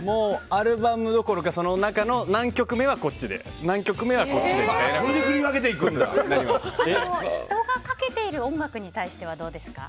アルバムどころか、その中の何曲目はこっちで人がかけている音楽に対してはどうですか。